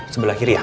sebelah kiri ya